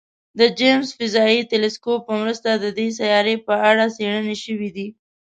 د جیمز فضايي ټیلسکوپ په مرسته د دې سیارې په اړه څېړنې شوي دي.